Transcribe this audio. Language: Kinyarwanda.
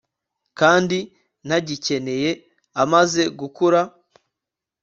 kandi ntagikeneye amaze gukura